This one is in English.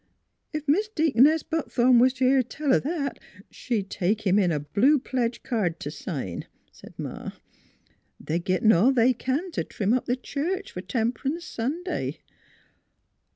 " Ef Mis' Deaconess Buckthorn was t' hear tell o' that she'd take him in a blue pledge card t' sign," said Ma. " They're gittin' all they can t' trim up th' church Tem'rance Sunday."